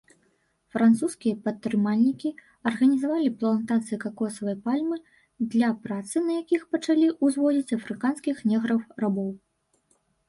Французскія прадпрымальнікі арганізавалі плантацыі какосавай пальмы, для працы на якіх пачалі увозіць афрыканскіх неграў-рабоў.